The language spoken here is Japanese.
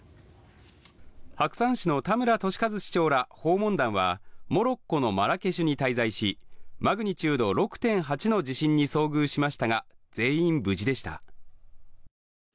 白山市の田村敏和市長ら訪問団はモロッコのマラケシュに滞在しマグニチュード６．８の地震に遭遇しましたが全員無事でした。